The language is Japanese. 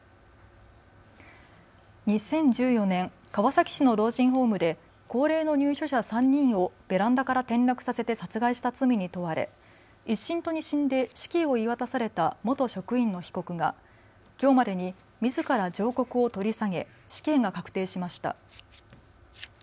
２０１４年、川崎市の老人ホームで高齢の入所者３人をベランダから転落させて殺害した罪に問われ１審と２審で死刑を言い渡された元職員の被告がきょうまでにみずから上告を取り下げ死刑が確定しました。